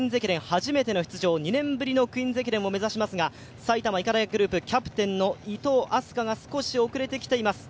初めての出場、２年ぶりのクイーンズ駅伝を目指しますが、埼玉医科大学グループ、キャプテンの伊東明日香が少し遅れてきています。